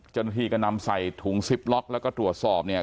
เจ้าหน้าที่ก็นำใส่ถุงซิปล็อกแล้วก็ตรวจสอบเนี่ย